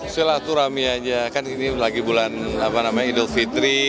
silaturahmi aja kan ini lagi bulan idul fitri